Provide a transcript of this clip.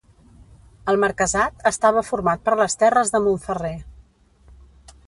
El marquesat estava format per les terres de Montferrer.